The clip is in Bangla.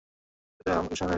এই, আমি ভালবাসা হারাই নি।